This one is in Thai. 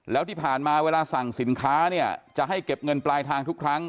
แล้วที่ผ่านมาเวลาสั่งสินค้าเนี่ยจะให้เก็บเงินปลายทางทุกครั้ง